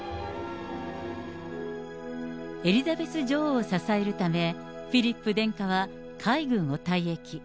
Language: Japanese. エリザベス女王を支えるため、フィリップ殿下は海軍を退役。